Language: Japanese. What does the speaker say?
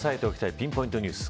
ピンポイントニュース。